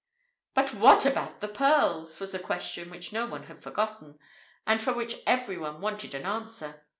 "But what about the pearls?" was a question which no one had forgotten, and for which everyone wanted an answer.